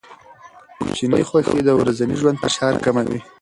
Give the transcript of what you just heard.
کوچني خوښۍ د ورځني ژوند فشار کموي.